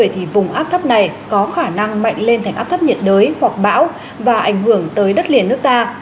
thì vùng áp thấp này có khả năng mạnh lên thành áp thấp nhiệt đới hoặc bão và ảnh hưởng tới đất liền nước ta